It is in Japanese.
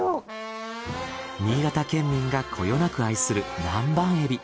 新潟県民がこよなく愛する南蛮エビ。